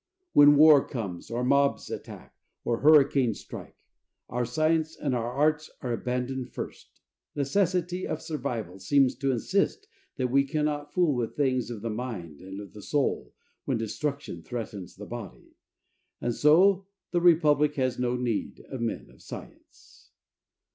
When war comes, or mobs attack, or hurricanes strike, our science and our arts are abandoned first. Necessity of survival seems to insist that we cannot fool with things of the mind and of the soul when destruction threatens the body. And so, "The Republic has no need of men of science."